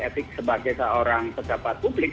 etik sebagai seorang pejabat publik